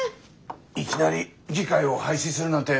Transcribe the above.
いきなり議会を廃止するなんて